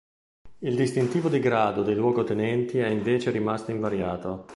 Il distintivo di grado dei luogotenenti è invece rimasto invariato.